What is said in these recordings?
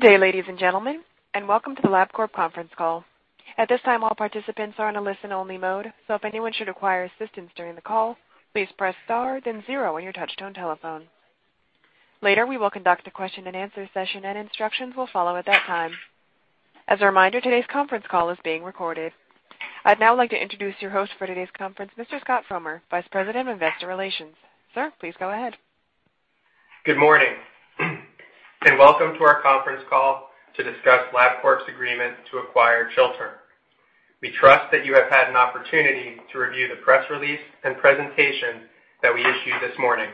Good day, ladies and gentlemen, and welcome to the LabCorp conference call. At this time, all participants are in a listen-only mode, so if anyone should require assistance during the call, please press star, then zero on your touch-tone telephone. Later, we will conduct a question-and-answer session, and instructions will follow at that time. As a reminder, today's conference call is being recorded. I'd now like to introduce your host for today's conference, Mr. Scott Frommer, Vice President of Investor Relations. Sir, please go ahead. Good morning, and welcome to our conference call to discuss LabCorp's agreement to acquire Chiltern. We trust that you have had an opportunity to review the press release and presentation that we issued this morning,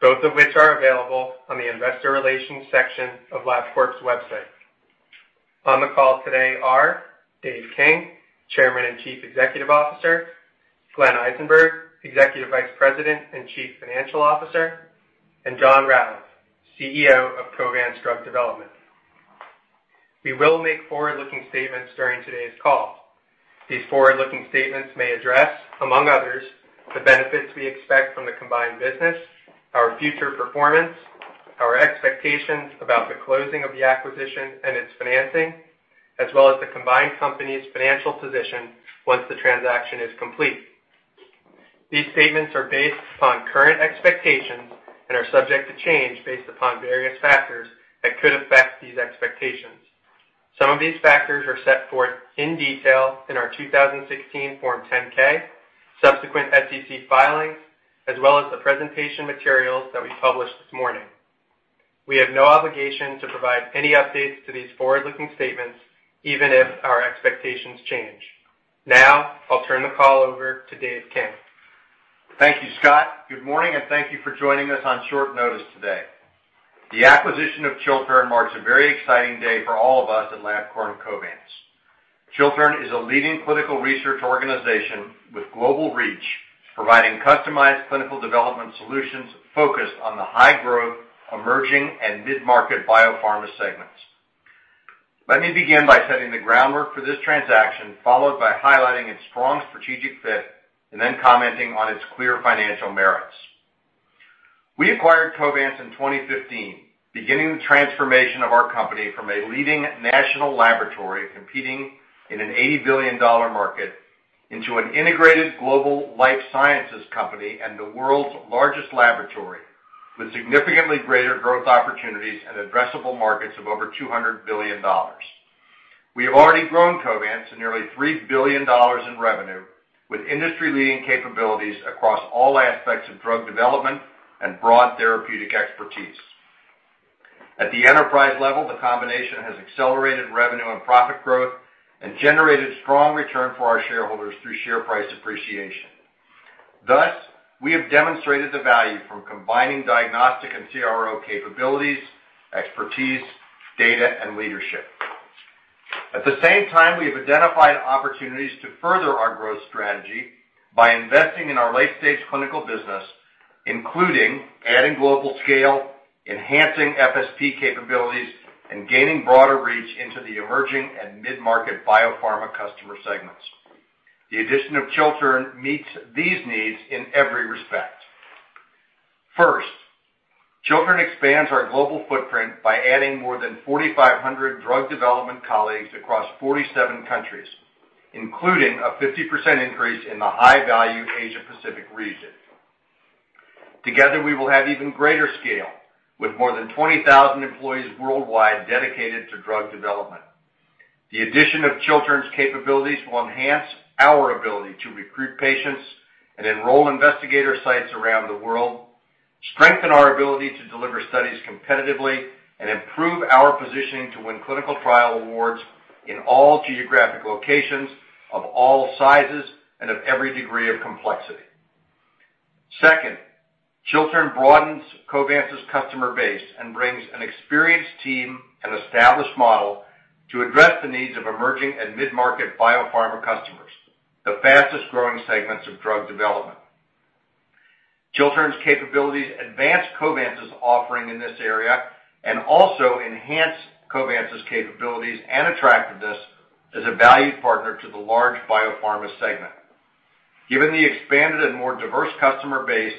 both of which are available on the Investor Relations section of LabCorp's website. On the call today are Dave King, Chairman and Chief Executive Officer, Glenn Eisenberg, Executive Vice President and Chief Financial Officer, and John Ratliff, CEO of Covance Drug Development. We will make forward-looking statements during today's call. These forward-looking statements may address, among others, the benefits we expect from the combined business, our future performance, our expectations about the closing of the acquisition and its financing, as well as the combined company's financial position once the transaction is complete. These statements are based upon current expectations and are subject to change based upon various factors that could affect these expectations. Some of these factors are set forth in detail in our 2016 Form 10-K, subsequent SEC filings, as well as the presentation materials that we published this morning. We have no obligation to provide any updates to these forward-looking statements, even if our expectations change. Now, I'll turn the call over to Dave King. Thank you, Scott. Good morning, and thank you for joining us on short notice today. The acquisition of Chiltern marks a very exciting day for all of us at LabCorp and Covance. Chiltern is a leading clinical research organization with global reach, providing customized clinical development solutions focused on the high-growth, emerging, and mid-market biopharma segments. Let me begin by setting the groundwork for this transaction, followed by highlighting its strong strategic fit, and then commenting on its clear financial merits. We acquired Covance in 2015, beginning the transformation of our company from a leading national laboratory competing in an $80 billion market into an integrated global life sciences company and the world's largest laboratory, with significantly greater growth opportunities and addressable markets of over $200 billion. We have already grown Covance to nearly $3 billion in revenue, with industry-leading capabilities across all aspects of drug development and broad therapeutic expertise. At the enterprise level, the combination has accelerated revenue and profit growth and generated strong returns for our shareholders through share price appreciation. Thus, we have demonstrated the value from combining diagnostic and CRO capabilities, expertise, data, and leadership. At the same time, we have identified opportunities to further our growth strategy by investing in our late-stage clinical business, including adding global scale, enhancing FSP capabilities, and gaining broader reach into the emerging and mid-market biopharma customer segments. The addition of Chiltern meets these needs in every respect. First, Chiltern expands our global footprint by adding more than 4,500 drug development colleagues across 47 countries, including a 50% increase in the high-value Asia-Pacific region. Together, we will have even greater scale, with more than 20,000 employees worldwide dedicated to drug development. The addition of Chiltern's capabilities will enhance our ability to recruit patients and enroll investigator sites around the world, strengthen our ability to deliver studies competitively, and improve our positioning to win clinical trial awards in all geographic locations of all sizes and of every degree of complexity. Second, Chiltern broadens Covance's customer base and brings an experienced team and established model to address the needs of emerging and mid-market biopharma customers, the fastest-growing segments of drug development. Chiltern's capabilities advance Covance's offering in this area and also enhance Covance's capabilities and attractiveness as a valued partner to the large biopharma segment. Given the expanded and more diverse customer base,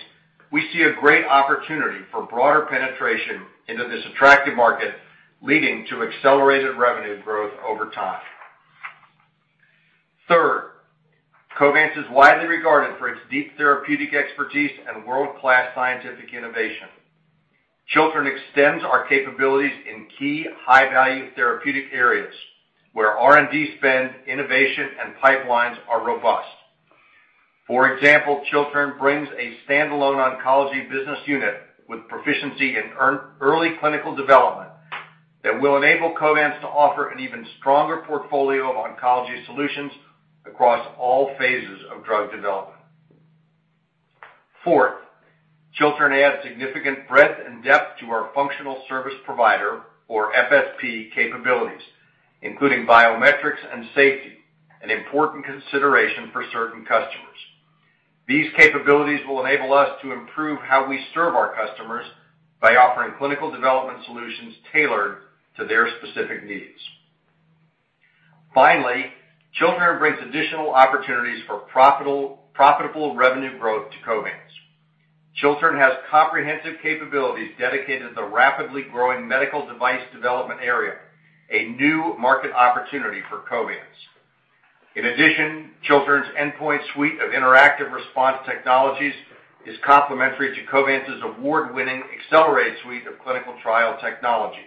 we see a great opportunity for broader penetration into this attractive market, leading to accelerated revenue growth over time. Third, Covance is widely regarded for its deep therapeutic expertise and world-class scientific innovation. Chiltern extends our capabilities in key high-value therapeutic areas, where R&D spend, innovation, and pipelines are robust. For example, Chiltern brings a standalone oncology business unit with proficiency in early clinical development that will enable Covance to offer an even stronger portfolio of oncology solutions across all phases of drug development. Fourth, Chiltern adds significant breadth and depth to our functional service provider, or FSP, capabilities, including biometrics and safety, an important consideration for certain customers. These capabilities will enable us to improve how we serve our customers by offering clinical development solutions tailored to their specific needs. Finally, Chiltern brings additional opportunities for profitable revenue growth to Covance. Chiltern has comprehensive capabilities dedicated to the rapidly growing medical device development area, a new market opportunity for Covance. In addition, Chiltern's Endpoint suite of interactive response technologies is complementary to Covance's award-winning Xcellerate suite of clinical trial technologies.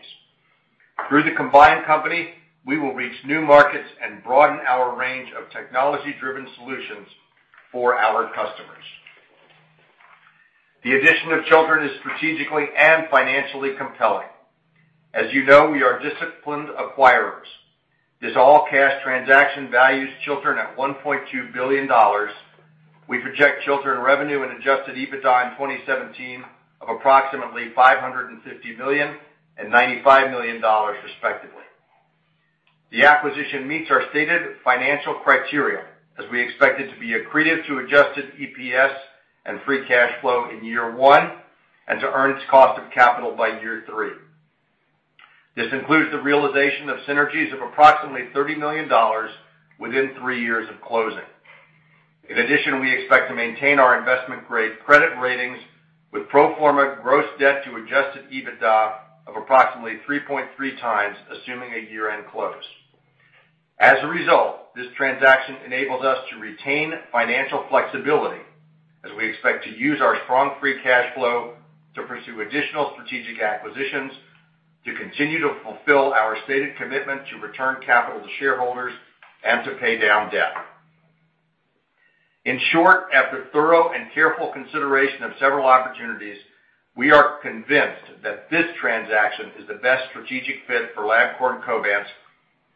Through the combined company, we will reach new markets and broaden our range of technology-driven solutions for our customers. The addition of Chiltern is strategically and financially compelling. As you know, we are disciplined acquirers. This all-cash transaction values Chiltern at $1.2 billion. We project Chiltern revenue and Adjusted EBITDA in 2017 of approximately $550 million and $95 million, respectively. The acquisition meets our stated financial criteria, as we expect it to be accretive to Adjusted EPS and free cash flow in year one and to earn its cost of capital by year three. This includes the realization of synergies of approximately $30 million within three years of closing. In addition, we expect to maintain our investment-grade credit ratings with pro forma gross debt to adjusted EBITDA of approximately 3.3 times, assuming a year-end close. As a result, this transaction enables us to retain financial flexibility, as we expect to use our strong free cash flow to pursue additional strategic acquisitions, to continue to fulfill our stated commitment to return capital to shareholders, and to pay down debt. In short, after thorough and careful consideration of several opportunities, we are convinced that this transaction is the best strategic fit for Labcorp and Covance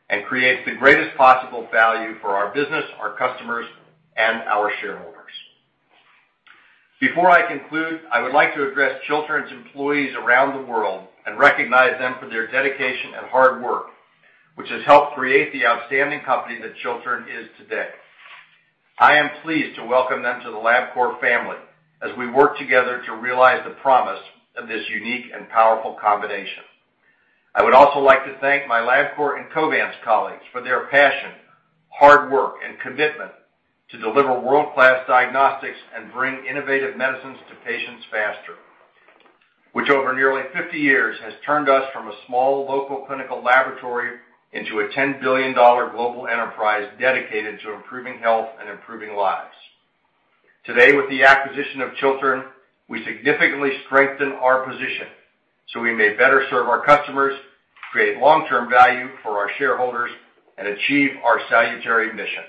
and creates the greatest possible value for our business, our customers, and our shareholders. Before I conclude, I would like to address Chiltern's employees around the world and recognize them for their dedication and hard work, which has helped create the outstanding company that Chiltern is today. I am pleased to welcome them to the LabCorp family, as we work together to realize the promise of this unique and powerful combination. I would also like to thank my LabCorp and Covance colleagues for their passion, hard work, and commitment to deliver world-class diagnostics and bring innovative medicines to patients faster, which over nearly 50 years has turned us from a small local clinical laboratory into a $10 billion global enterprise dedicated to improving health and improving lives. Today, with the acquisition of Chiltern, we significantly strengthen our position so we may better serve our customers, create long-term value for our shareholders, and achieve our salutary mission.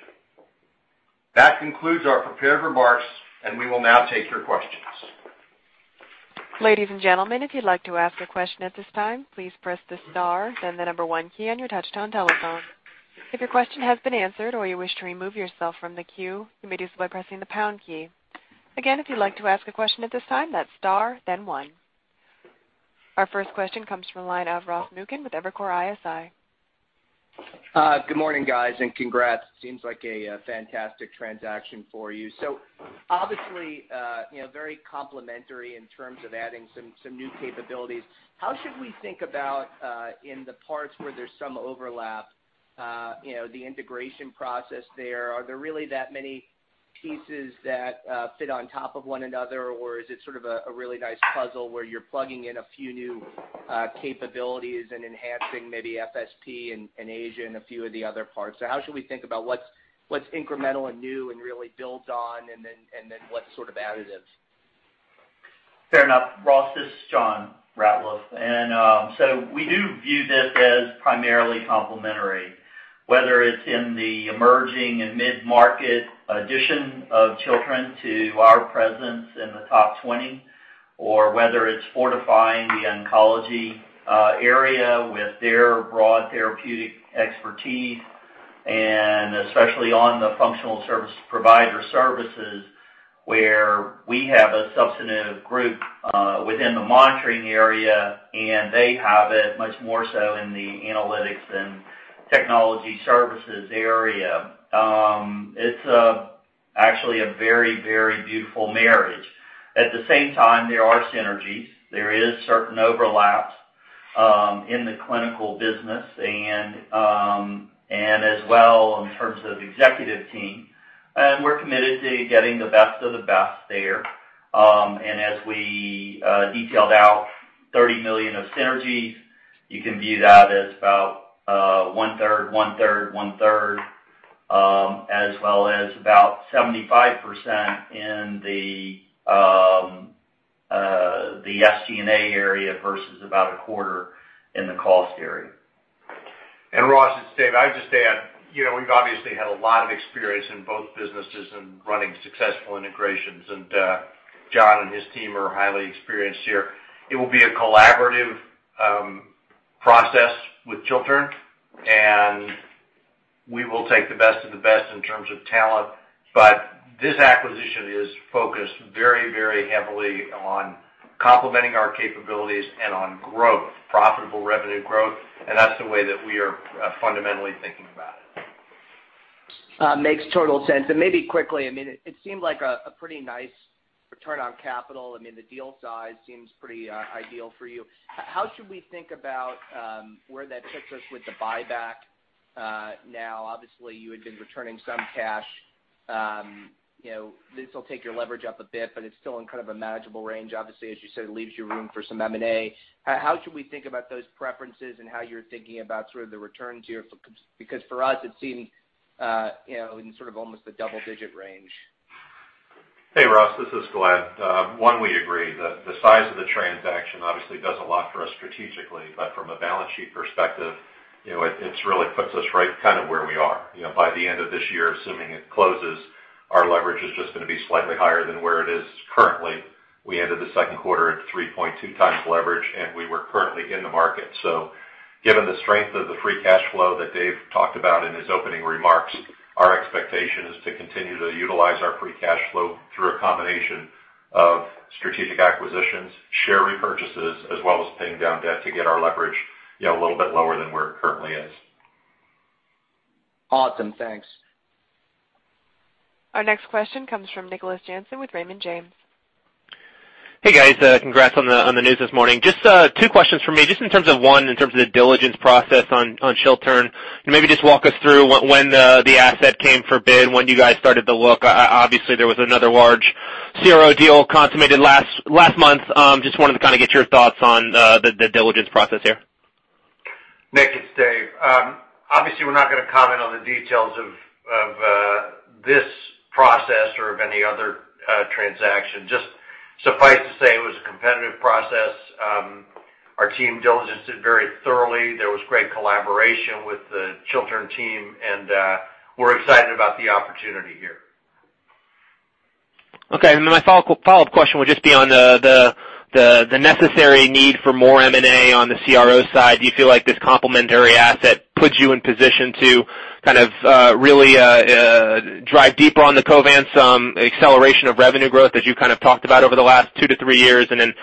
That concludes our prepared remarks, and we will now take your questions. Ladies and gentlemen, if you'd like to ask a question at this time, please press the star, then the number one key on your touch-tone telephone. If your question has been answered or you wish to remove yourself from the queue, you may do so by pressing the pound key. Again, if you'd like to ask a question at this time, that's star, then one. Our first question comes from the line of Ross Muken with Evercore ISI. Good morning, guys, and congrats. It seems like a fantastic transaction for you. So obviously, very complementary in terms of adding some new capabilities. How should we think about, in the parts where there's some overlap, the integration process there? Are there really that many pieces that fit on top of one another, or is it sort of a really nice puzzle where you're plugging in a few new capabilities and enhancing maybe FSP and Asia and a few of the other parts? So how should we think about what's incremental and new and really builds on, and then what's sort of additive? Fair enough. Ross, it's John Ratliff, and so we do view this as primarily complementary, whether it's in the emerging and mid-market addition of Chiltern to our presence in the top 20, or whether it's fortifying the oncology area with their broad therapeutic expertise, and especially on the functional service provider services, where we have a substantive group within the monitoring area, and they have it much more so in the analytics and technology services area. It's actually a very, very beautiful marriage. At the same time, there are synergies. There are certain overlaps in the clinical business and as well in terms of executive team, and we're committed to getting the best of the best there. And as we detailed out $30 million of synergies, you can view that as about one-third, one-third, one-third, as well as about 75% in the SG&A area versus about a quarter in the cost area. And Ross this is Dave, I would just add, we've obviously had a lot of experience in both businesses and running successful integrations, and John and his team are highly experienced here. It will be a collaborative process with Chiltern, and we will take the best of the best in terms of talent. But this acquisition is focused very, very heavily on complementing our capabilities and on growth, profitable revenue growth, and that's the way that we are fundamentally thinking about it. Makes total sense. And maybe quickly, I mean, it seemed like a pretty nice return on capital. I mean, the deal size seems pretty ideal for you. How should we think about where that sets us with the buyback now? Obviously, you had been returning some cash. This will take your leverage up a bit, but it's still in kind of a manageable range. Obviously, as you said, it leaves you room for some M&A. How should we think about those preferences and how you're thinking about sort of the return tier? Because for us, it seemed in sort of almost the double-digit range. Hey, Ross. This is Glenn. One, we agree. The size of the transaction obviously does a lot for us strategically, but from a balance sheet perspective, it really puts us right kind of where we are. By the end of this year, assuming it closes, our leverage is just going to be slightly higher than where it is currently. We ended the second quarter at 3.2 times leverage, and we were currently in the market, so given the strength of the free cash flow that Dave talked about in his opening remarks, our expectation is to continue to utilize our free cash flow through a combination of strategic acquisitions, share repurchases, as well as paying down debt to get our leverage a little bit lower than where it currently is. Awesome. Thanks. Our next question comes from Nicholas Jansen with Raymond James. Hey, guys. Congrats on the news this morning. Just two questions for me. Just in terms of one, in terms of the diligence process on Chiltern, maybe just walk us through when the asset came for bid, when you guys started the look. Obviously, there was another large CRO deal consummated last month. Just wanted to kind of get your thoughts on the diligence process here. Nick and Steve, obviously, we're not going to comment on the details of this process or of any other transaction. Just suffice to say it was a competitive process. Our team diligenced it very thoroughly. There was great collaboration with the Chiltern team, and we're excited about the opportunity here. Okay. And then my follow-up question would just be on the necessary need for more M&A on the CRO side. Do you feel like this complementary asset puts you in position to kind of really drive deeper on the Covance acceleration of revenue growth that you kind of talked about over the last two to three years? And then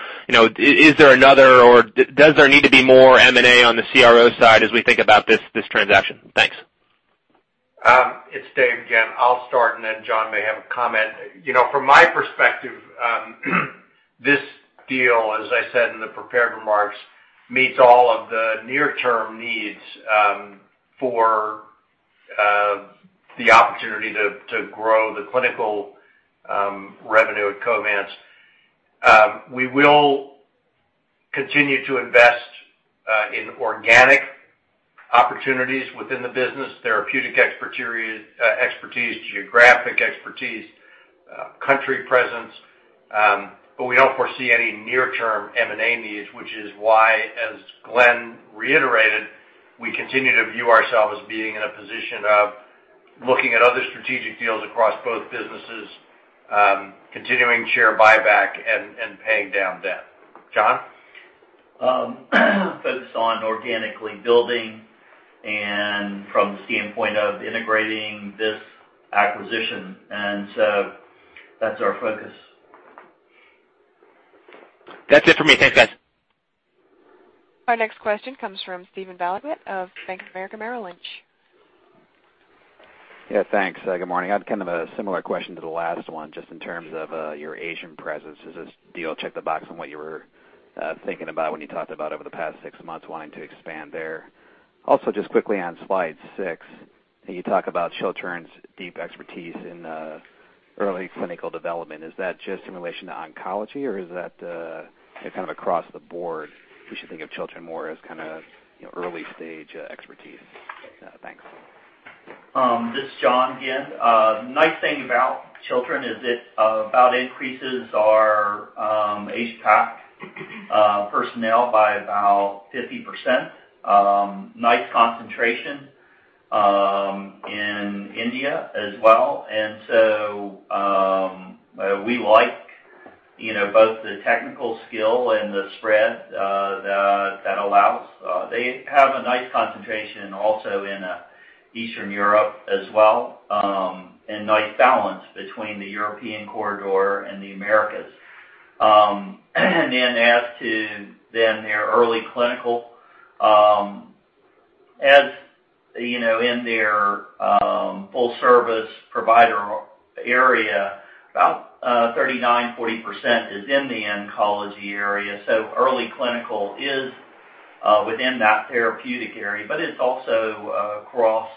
is there another, or does there need to be more M&A on the CRO side as we think about this transaction? Thanks. It's Dave again. I'll start, and then John may have a comment. From my perspective, this deal, as I said in the prepared remarks, meets all of the near-term needs for the opportunity to grow the clinical revenue at Covance. We will continue to invest in organic opportunities within the business: therapeutic expertise, geographic expertise, country presence. But we don't foresee any near-term M&A needs, which is why, as Glenn reiterated, we continue to view ourselves as being in a position of looking at other strategic deals across both businesses, continuing share buyback, and paying down debt. John? Focus on organically building and from the standpoint of integrating this acquisition, and so that's our focus. That's it for me. Thanks, guys. Our next question comes from Steven Valiquette of Bank of America Merrill Lynch. Yeah, thanks. Good morning. I had kind of a similar question to the last one, just in terms of your Asian presence. Has this deal checked the box on what you were thinking about when you talked about over the past six months wanting to expand there? Also, just quickly on slide six, you talk about Chiltern's deep expertise in early clinical development. Is that just in relation to oncology, or is that kind of across the board? We should think of Chiltern more as kind of early-stage expertise. Thanks. This is John again. The nice thing about Chiltern is it about increases our APAC personnel by about 50%. Nice concentration in India as well, and so we like both the technical skill and the spread that allows. They have a nice concentration also in Eastern Europe as well, and nice balance between the European corridor and the Americas, and then as to then their early clinical, as in their full-service provider area, about 39%-40% is in the oncology area, so early clinical is within that therapeutic area, but it's also across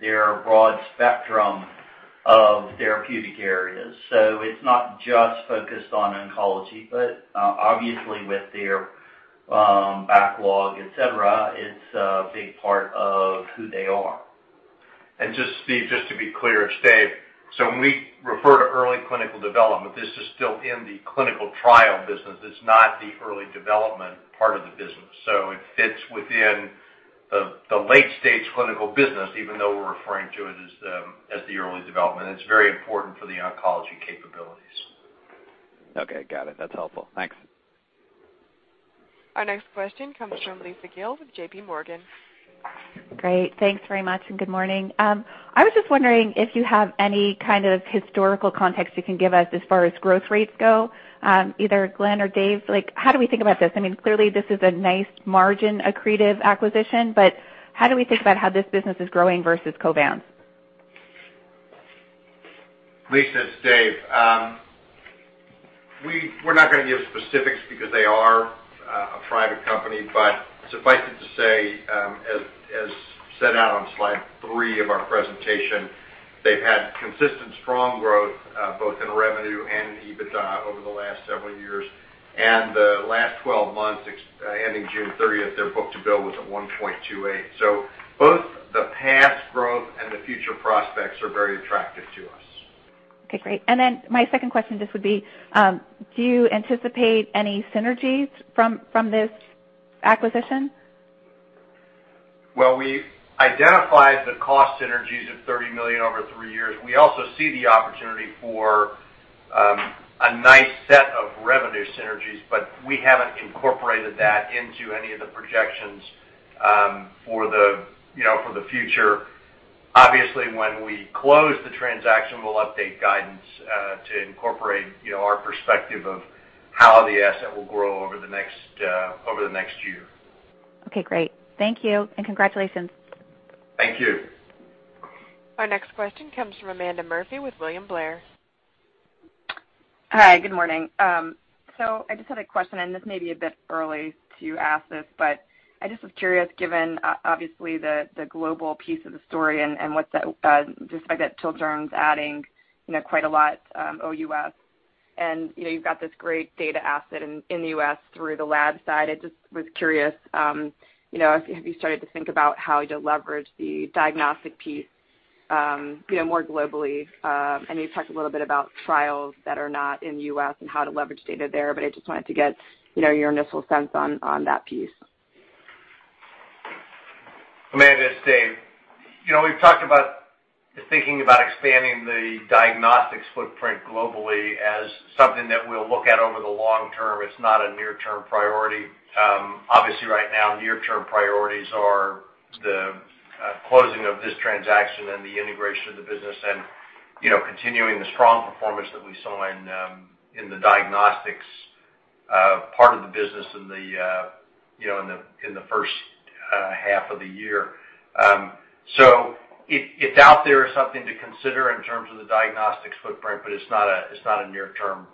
their broad spectrum of therapeutic areas, so it's not just focused on oncology, but obviously, with their backlog, etc., it's a big part of who they are. And just to be clear, it's Dave, so when we refer to early clinical development, this is still in the clinical trial business. It's not the early development part of the business. So it fits within the late-stage clinical business, even though we're referring to it as the early development. It's very important for the oncology capabilities. Okay. Got it. That's helpful. Thanks. Our next question comes from Lisa Gill with J.P. Morgan. Great. Thanks very much, and good morning. I was just wondering if you have any kind of historical context you can give us as far as growth rates go, either Glenn or Dave. How do we think about this? I mean, clearly, this is a nice margin-accretive acquisition, but how do we think about how this business is growing versus Covance? Lisa, it's Dave. We're not going to give specifics because they are a private company, but suffice it to say, as set out on slide three of our presentation, they've had consistent strong growth both in revenue and in EBITDA over the last several years, and the last 12 months, ending June 30th, their book-to-bill was at 1.28, so both the past growth and the future prospects are very attractive to us. Okay. Great. And then my second question just would be, do you anticipate any synergies from this acquisition? We identified the cost synergies of $30 million over three years. We also see the opportunity for a nice set of revenue synergies, but we haven't incorporated that into any of the projections for the future. Obviously, when we close the transaction, we'll update guidance to incorporate our perspective of how the asset will grow over the next year. Okay. Great. Thank you, and congratulations. Thank you. Our next question comes from Amanda Murphy with William Blair. Hi. Good morning. So I just had a question, and this may be a bit early to ask this, but I just was curious, given obviously the global piece of the story and just the fact that Chiltern's adding quite a lot OUS, and you've got this great data asset in the U.S. through the lab side. I just was curious, have you started to think about how to leverage the diagnostic piece more globally? I know you've talked a little bit about trials that are not in the U.S. and how to leverage data there, but I just wanted to get your initial sense on that piece. Amanda and it's Dave, we've talked about thinking about expanding the diagnostics footprint globally as something that we'll look at over the long term. It's not a near-term priority. Obviously, right now, near-term priorities are the closing of this transaction and the integration of the business and continuing the strong performance that we saw in the diagnostics part of the business in the first half of the year. So it's out there as something to consider in terms of the diagnostics footprint, but it's not a near-term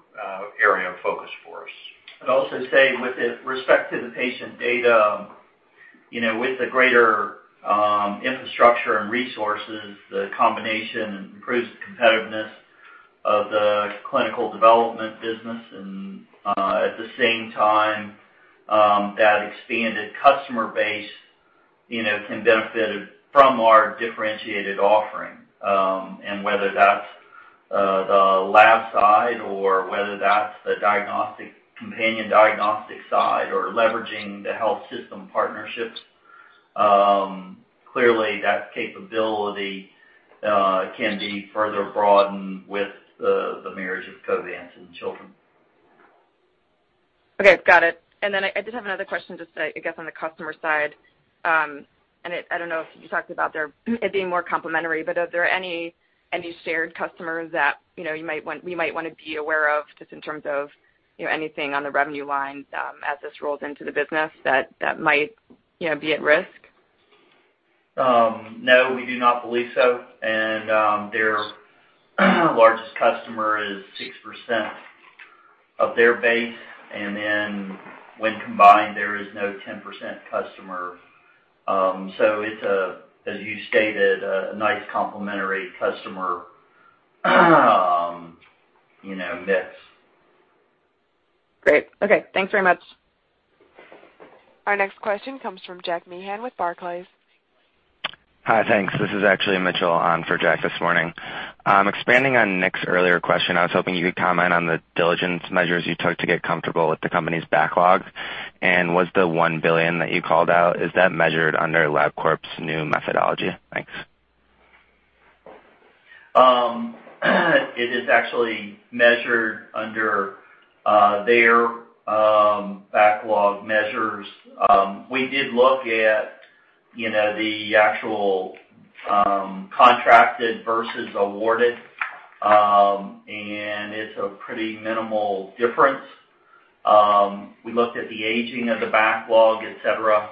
area of focus for us. I'd also say, with respect to the patient data, with the greater infrastructure and resources, the combination improves the competitiveness of the clinical development business. At the same time, that expanded customer base can benefit from our differentiated offering. Whether that's the lab side or whether that's the companion diagnostic side or leveraging the health system partnerships, clearly, that capability can be further broadened with the marriage of Covance and Chiltern. Okay. Got it. And then I did have another question just, I guess, on the customer side. And I don't know if you talked about it being more complementary, but are there any shared customers that we might want to be aware of just in terms of anything on the revenue line as this rolls into the business that might be at risk? No, we do not believe so. And their largest customer is 6% of their base. And then when combined, there is no 10% customer. So it's, as you stated, a nice complementary customer mix. Great. Okay. Thanks very much. Our next question comes from Jack Meehan with Barclays. Hi. Thanks. This is actually Mitchell on for Jack this morning. Expanding on Nick's earlier question, I was hoping you could comment on the diligence measures you took to get comfortable with the company's backlog, and was the $1 billion that you called out, is that measured under LabCorp's new methodology? Thanks. It is actually measured under their backlog measures. We did look at the actual contracted versus awarded, and it's a pretty minimal difference. We looked at the aging of the backlog, etc.,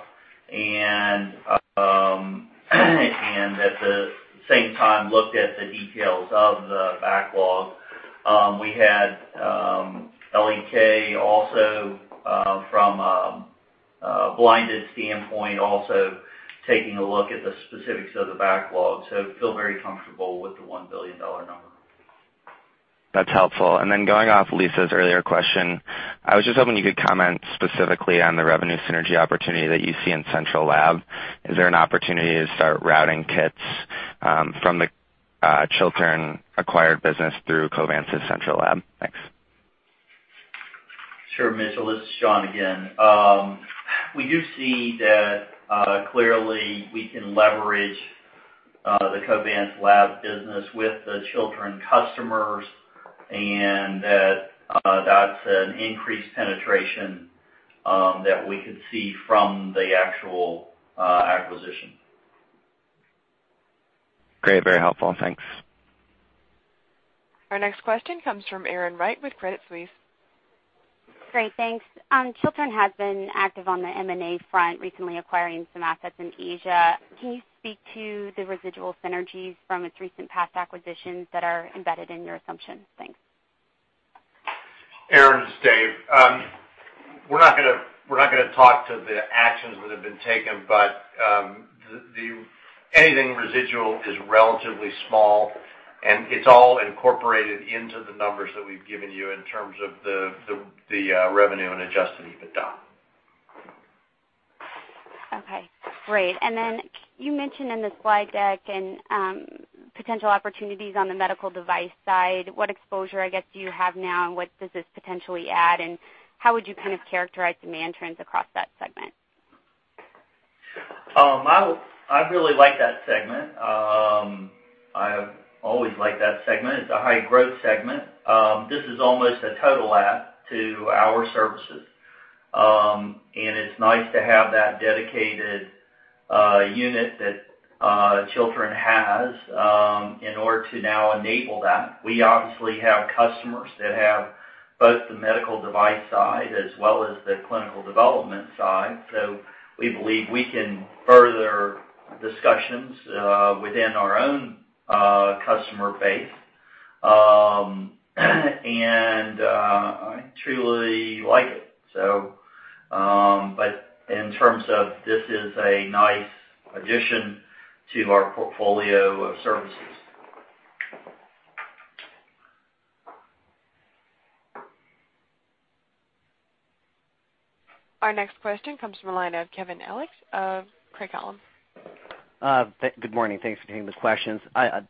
and at the same time, looked at the details of the backlog. We had L.E.K. also from a blinded standpoint, also taking a look at the specifics of the backlog. So I feel very comfortable with the $1 billion number. That's helpful. And then going off Lisa's earlier question, I was just hoping you could comment specifically on the revenue synergy opportunity that you see in Central Lab. Is there an opportunity to start routing kits from the Chiltern-acquired business through Covance's Central Lab? Thanks. Sure, Mitchell. This is John again. We do see that clearly we can leverage the Covance lab business with the Chiltern customers and that that's an increased penetration that we could see from the actual acquisition. Great. Very helpful. Thanks. Our next question comes from Erin Wright with Credit Suisse. Great. Thanks. Chiltern has been active on the M&A front, recently acquiring some assets in Asia. Can you speak to the residual synergies from its recent past acquisitions that are embedded in your assumption? Thanks. Erin, it's Dave. We're not going to talk to the actions that have been taken, but anything residual is relatively small, and it's all incorporated into the numbers that we've given you in terms of the revenue and Adjusted EBITDA. Okay. Great. And then you mentioned in the slide deck, and potential opportunities on the medical device side, what exposure, I guess, do you have now, and what does this potentially add? And how would you kind of characterize demand trends across that segment? I really like that segment. I've always liked that segment. It's a high-growth segment. This is almost a total add to our services, and it's nice to have that dedicated unit that Chiltern has in order to now enable that. We obviously have customers that have both the medical device side as well as the clinical development side. So we believe we can further discussions within our own customer base. And I truly like it. But in terms of this is a nice addition to our portfolio of services. Our next question comes from a line of Kevin Ellich of Craig-Hallum. Good morning. Thanks for taking the questions.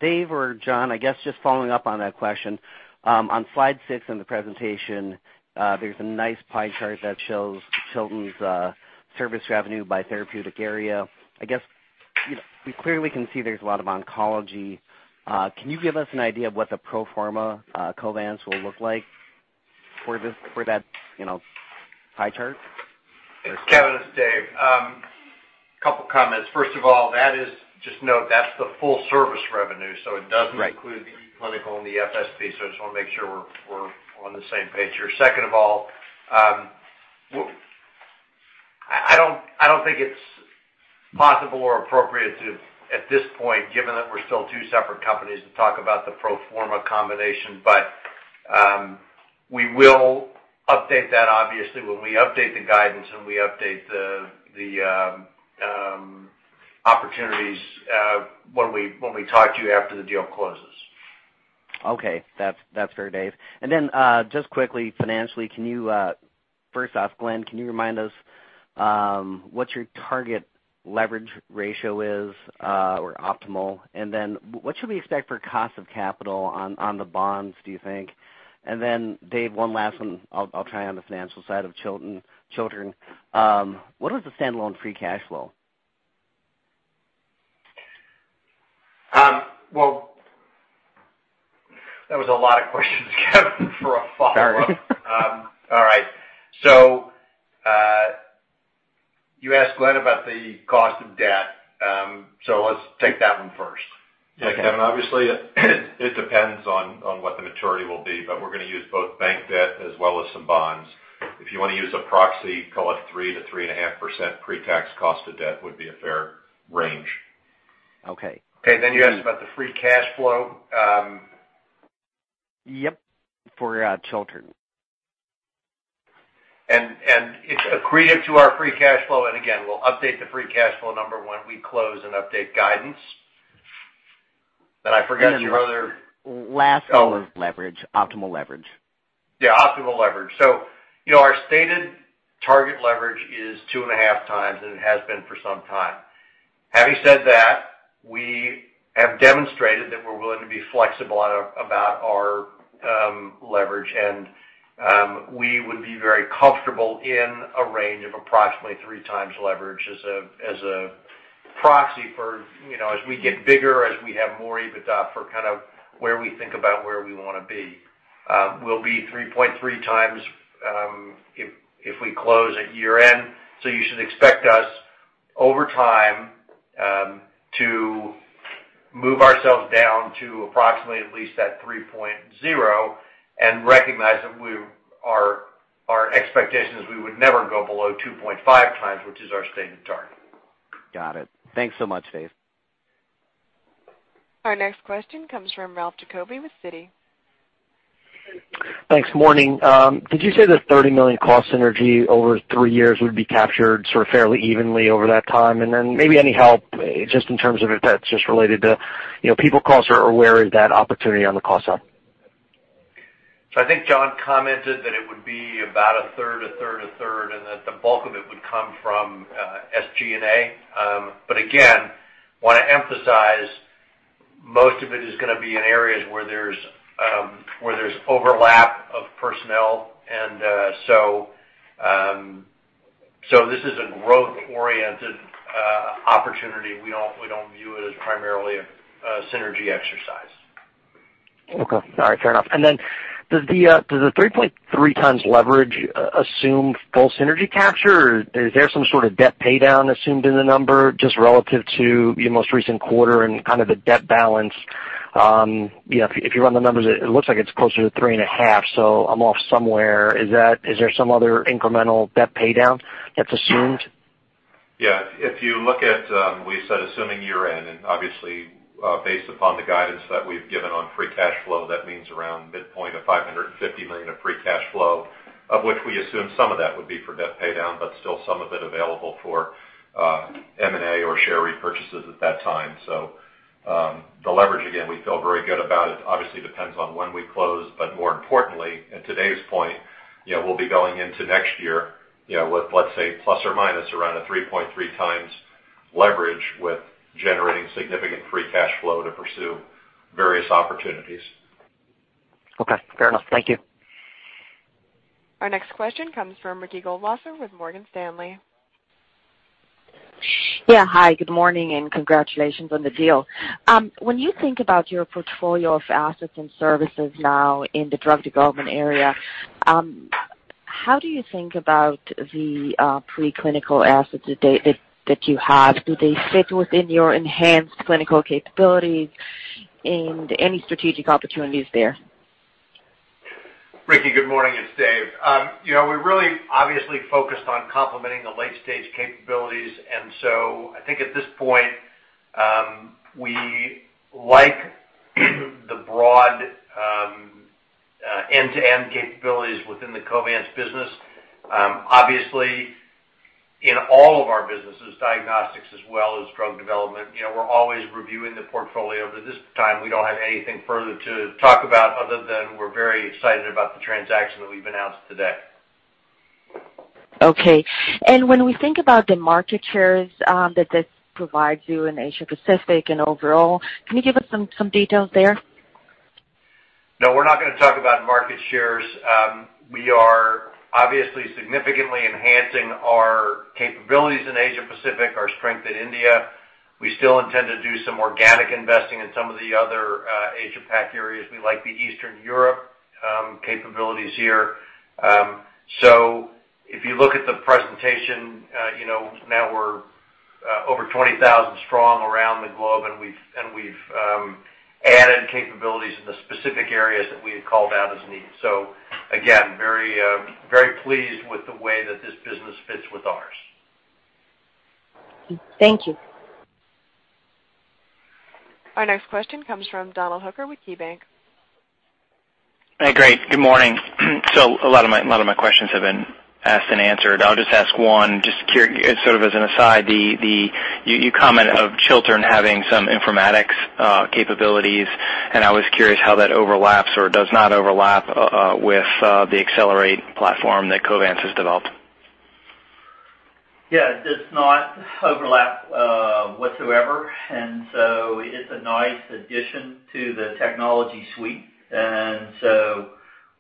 Dave or John, I guess just following up on that question. On slide six in the presentation, there's a nice pie chart that shows Chiltern's service revenue by therapeutic area. I guess we clearly can see there's a lot of oncology. Can you give us an idea of what the pro forma Covance will look like for that pie chart? Kevin, it's Dave. A couple of comments. First of all, just note, that's the full service revenue, so it doesn't include the clinical and the FSP. So I just want to make sure we're on the same page here. Second of all, I don't think it's possible or appropriate at this point, given that we're still two separate companies, to talk about the pro forma combination, but we will update that, obviously, when we update the guidance and we update the opportunities when we talk to you after the deal closes. Okay. That's fair, Dave. And then just quickly, financially, first off, Glenn, can you remind us what your target leverage ratio is or optimal? And then what should we expect for cost of capital on the bonds, do you think? And then, Dave, one last one. I'll try on the financial side of Chiltern. What was the standalone free cash flow? That was a lot of questions, Kevin, for a follow-up. All right. You asked Glenn about the cost of debt. Let's take that one first. Obviously, it depends on what the maturity will be, but we're going to use both bank debt as well as some bonds. If you want to use a proxy, call it 3%-3.5% pre-tax cost of debt would be a fair range. Okay. Okay. Then you asked about the free cash flow. Yep. For Chiltern. And it's accretive to our free cash flow. And again, we'll update the free cash flow number when we close and update guidance. And I forgot your other. Last one. Leverage, optimal leverage. Yeah, optimal leverage. So our stated target leverage is 2.5 times, and it has been for some time. Having said that, we have demonstrated that we're willing to be flexible about our leverage, and we would be very comfortable in a range of approximately 3 times leverage as a proxy as we get bigger, as we have more EBITDA for kind of where we think about where we want to be. We'll be 3.3 times if we close at year-end. So you should expect us, over time, to move ourselves down to approximately at least that 3.0 and recognize that our expectation is we would never go below 2.5 times, which is our stated target. Got it. Thanks so much, Dave. Our next question comes from Ralph Giacobbe with Citi. Thanks. Morning. Did you say the $30 million cost synergy over three years would be captured sort of fairly evenly over that time? And then maybe any help just in terms of if that's just related to people costs or where is that opportunity on the cost side? So I think John commented that it would be about a third, a third, a third, and that the bulk of it would come from SG&A. But again, I want to emphasize most of it is going to be in areas where there's overlap of personnel. And so this is a growth-oriented opportunity. We don't view it as primarily a synergy exercise. Okay. All right. Fair enough. And then does the 3.3 times leverage assume full synergy capture, or is there some sort of debt paydown assumed in the number just relative to your most recent quarter and kind of the debt balance? If you run the numbers, it looks like it's closer to 3.5, so I'm off somewhere. Is there some other incremental debt paydown that's assumed? Yeah. If you look at, we said assuming year-end, and obviously, based upon the guidance that we've given on free cash flow, that means around midpoint of $550 million of free cash flow, of which we assume some of that would be for debt paydown, but still some of it available for M&A or share repurchases at that time. So the leverage, again, we feel very good about it. Obviously, it depends on when we close, but more importantly, at today's point, we'll be going into next year with, let's say, plus or minus around a 3.3 times leverage with generating significant free cash flow to pursue various opportunities. Okay. Fair enough. Thank you. Our next question comes from Ricky Goldwasser with Morgan Stanley. Yeah. Hi. Good morning and congratulations on the deal. When you think about your portfolio of assets and services now in the drug development area, how do you think about the preclinical assets that you have? Do they fit within your enhanced clinical capabilities and any strategic opportunities there? Ricky, good morning. It's Dave. We really obviously focused on complementing the late-stage capabilities. And so I think at this point, we like the broad end-to-end capabilities within the Covance business. Obviously, in all of our businesses, diagnostics as well as drug development, we're always reviewing the portfolio. But at this time, we don't have anything further to talk about other than we're very excited about the transaction that we've announced today. Okay. And when we think about the market shares that this provides you in Asia-Pacific and overall, can you give us some details there? No, we're not going to talk about market shares. We are obviously significantly enhancing our capabilities in Asia-Pacific, our strength in India. We still intend to do some organic investing in some of the other Asia-Pac areas. We like the Eastern Europe capabilities here. So if you look at the presentation, now we're over 20,000 strong around the globe, and we've added capabilities in the specific areas that we had called out as needed. So again, very pleased with the way that this business fits with ours. Thank you. Our next question comes from Donald Hooker with KeyBanc. Hey, great. Good morning. So a lot of my questions have been asked and answered. I'll just ask one, just sort of as an aside, your comment of Chiltern having some informatics capabilities, and I was curious how that overlaps or does not overlap with the Xcellerate platform that Covance has developed. Yeah. It does not overlap whatsoever. And so it's a nice addition to the technology suite. And so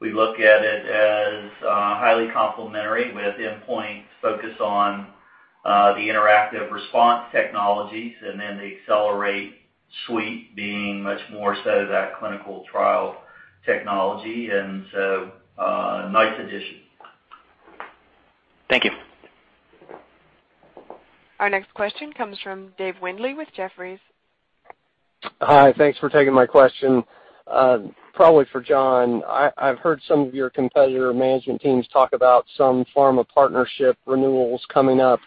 we look at it as highly complementary with Endpoint focus on the interactive response technologies and then the Xcellerate suite being much more so that clinical trial technology. And so nice addition. Thank you. Our next question comes from Dave Windley with Jefferies. Hi. Thanks for taking my question. Probably for John. I've heard some of your competitor management teams talk about some pharma partnership renewals coming up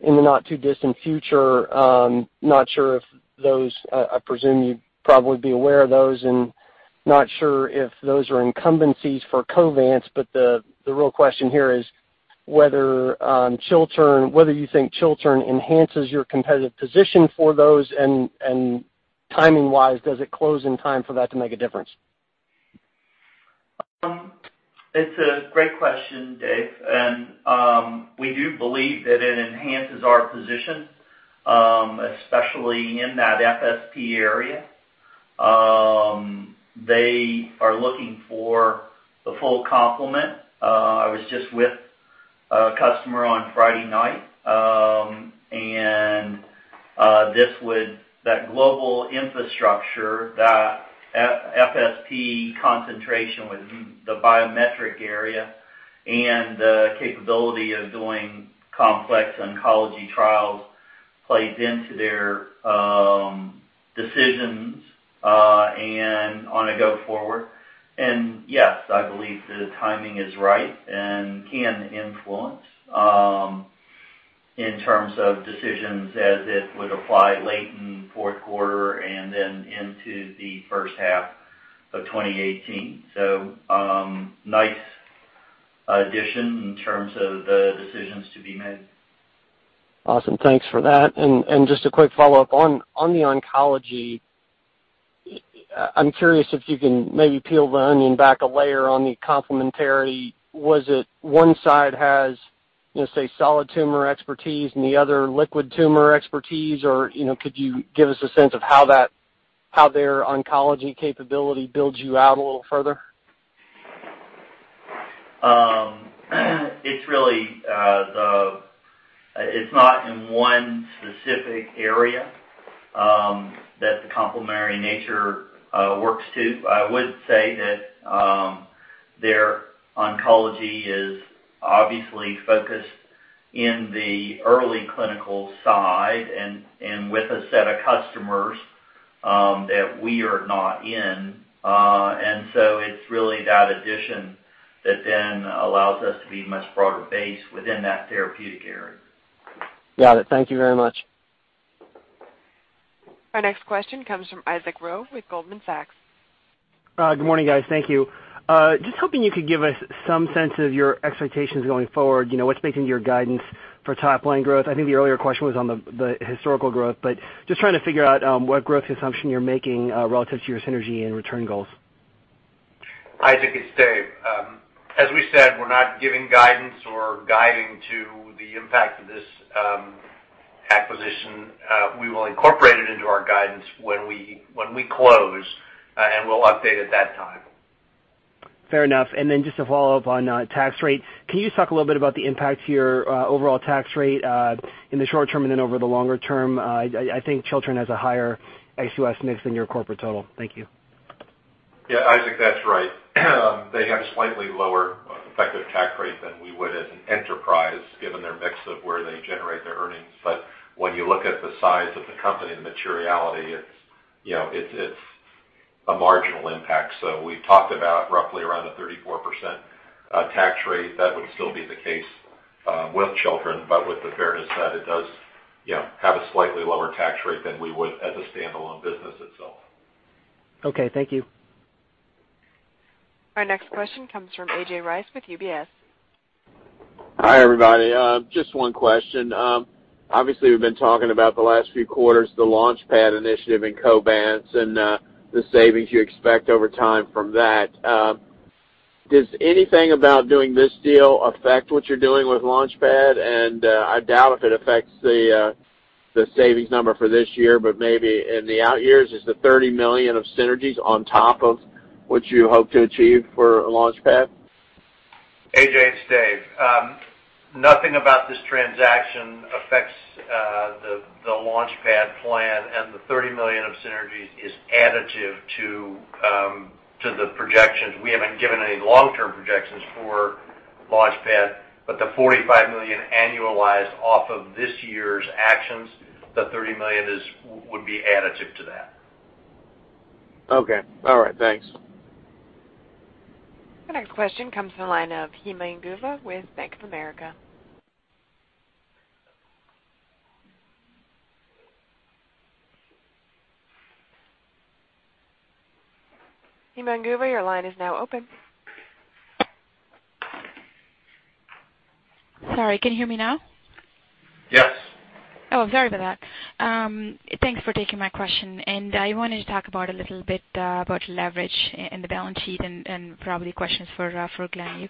in the not-too-distant future. Not sure if those, I presume you'd probably be aware of those, and not sure if those are incumbencies for Covance. But the real question here is whether you think Chiltern enhances your competitive position for those, and timing-wise, does it close in time for that to make a difference? It's a great question, Dave. We do believe that it enhances our position, especially in that FSP area. They are looking for the full complement. I was just with a customer on Friday night, and that global infrastructure, that FSP concentration with the biometrics area and the capability of doing complex oncology trials plays into their decisions and on a go-forward. Yes, I believe the timing is right and can influence in terms of decisions as it would apply late in fourth quarter and then into the first half of 2018. Nice addition in terms of the decisions to be made. Awesome. Thanks for that. And just a quick follow-up. On the oncology, I'm curious if you can maybe peel the onion back a layer on the complementarity. One side has, say, solid tumor expertise and the other liquid tumor expertise. Or could you give us a sense of how their oncology capability builds you out a little further? It's not in one specific area that the complementary nature works to. I would say that their oncology is obviously focused in the early clinical side and with a set of customers that we are not in, and so it's really that addition that then allows us to be a much broader base within that therapeutic area. Got it. Thank you very much. Our next question comes from Isaac Ro with Goldman Sachs. Good morning, guys. Thank you. Just hoping you could give us some sense of your expectations going forward. What's making your guidance for top-line growth? I think the earlier question was on the historical growth, but just trying to figure out what growth assumption you're making relative to your synergy and return goals. Isaac, it's Dave. As we said, we're not giving guidance or guiding to the impact of this acquisition. We will incorporate it into our guidance when we close, and we'll update at that time. Fair enough. And then just to follow up on tax rates, can you just talk a little bit about the impact to your overall tax rate in the short term and then over the longer term? I think Chiltern has a higher ex-US mix than your corporate total. Thank you. Yeah. Isaac, that's right. They have a slightly lower effective tax rate than we would as an enterprise, given their mix of where they generate their earnings. But when you look at the size of the company and the materiality, it's a marginal impact. So we've talked about roughly around a 34% tax rate. That would still be the case with Chiltern, but with the fairness that it does have a slightly lower tax rate than we would as a standalone business itself. Okay. Thank you. Our next question comes from A.J. Rice with UBS. Hi, everybody. Just one question. Obviously, we've been talking about the last few quarters, the LaunchPad initiative and Covance and the savings you expect over time from that. Does anything about doing this deal affect what you're doing with LaunchPad? And I doubt if it affects the savings number for this year, but maybe in the out years, is the $30 million of synergies on top of what you hope to achieve for LaunchPad? A.J., it's Dave. Nothing about this transaction affects the LaunchPad plan, and the $30 million of synergies is additive to the projections. We haven't given any long-term projections for LaunchPad, but the $45 million annualized off of this year's actions, the $30 million would be additive to that. Okay. All right. Thanks. Our next question comes from Line of Himenguva with Bank of America. Himenguva, your line is now open. Sorry. Can you hear me now? Yes. Oh, I'm sorry about that. Thanks for taking my question. And I wanted to talk a little bit about leverage in the balance sheet and probably questions for Glenn.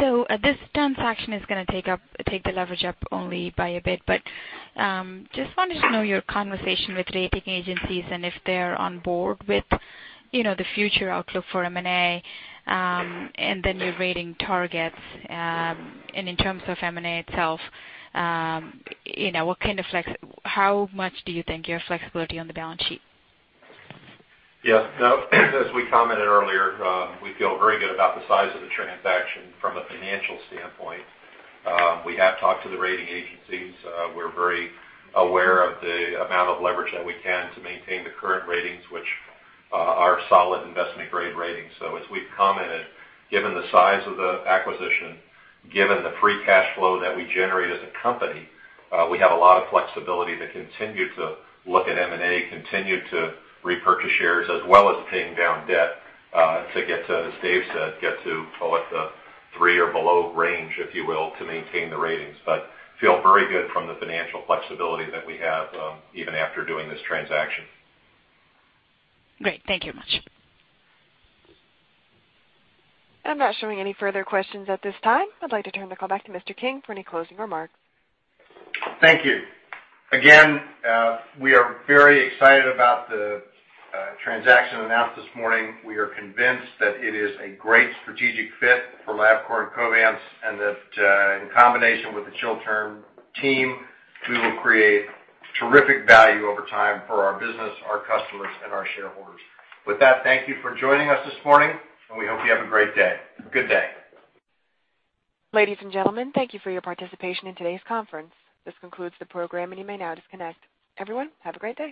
So this transaction is going to take the leverage up only by a bit, but just wanted to know your conversation with rating agencies and if they're on board with the future outlook for M&A and then your rating targets in terms of M&A itself. What kind of, how much do you think your flexibility on the balance sheet? Yeah. As we commented earlier, we feel very good about the size of the transaction from a financial standpoint. We have talked to the rating agencies. We're very aware of the amount of leverage that we can to maintain the current ratings, which are solid investment-grade ratings. So as we've commented, given the size of the acquisition, given the free cash flow that we generate as a company, we have a lot of flexibility to continue to look at M&A, continue to repurchase shares, as well as paying down debt to get to, as Dave said, get to what the three or below range, if you will, to maintain the ratings. But feel very good from the financial flexibility that we have even after doing this transaction. Great. Thank you very much. I'm not showing any further questions at this time. I'd like to turn the call back to Mr. King for any closing remarks. Thank you. Again, we are very excited about the transaction announced this morning. We are convinced that it is a great strategic fit for LabCorp and Covance and that, in combination with the Chiltern team, we will create terrific value over time for our business, our customers, and our shareholders. With that, thank you for joining us this morning, and we hope you have a great day. Good day. Ladies and gentlemen, thank you for your participation in today's conference. This concludes the program, and you may now disconnect. Everyone, have a great day.